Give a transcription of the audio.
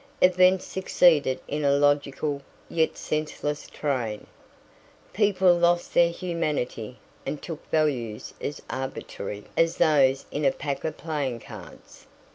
Events succeeded in a logical, yet senseless, train. People lost their humanity, and took values as arbitrary as those in a pack of playing cards.